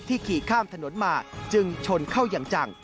ขี่ข้ามถนนมาจึงชนเข้าอย่างจัง